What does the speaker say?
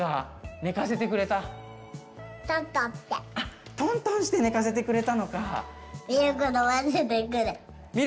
あトントンして寝かせてくれたのか。